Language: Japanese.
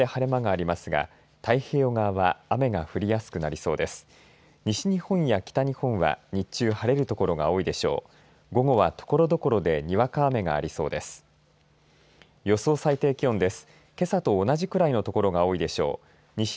午後はところどころでにわか雨がありそうです。